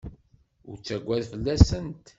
Ur ttaggad fell-asent.